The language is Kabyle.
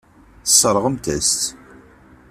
Tesseṛɣemt-as-tt.